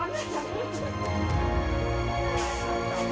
ก็ยังมีปัญหาราคาเข้าเปลือกก็ยังลดต่ำลง